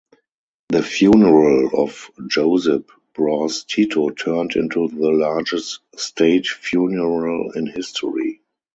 The funeral of Josip Broz Tito turned into the largest state funeral in history.